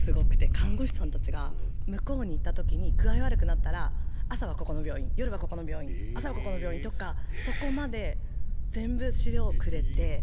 看護師さんたちが向こうに行った時に具合悪くなったら朝はここの病院夜はここの病院朝はここの病院とかそこまで全部資料くれて。